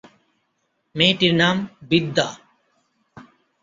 মেয়েটির নাম বিদ্যা।